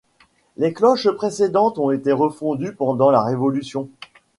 Les cloches précédentes ont été refondues pendant la Révolution.